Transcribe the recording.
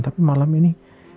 tapi malam ini